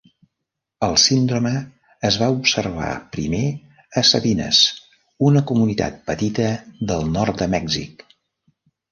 El síndrome es va observar primer a Sabinas, una comunitat petita del nord de Mèxic.